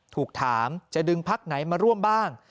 ถูกถามจะดึงพักไหนมาร่วมบ้าง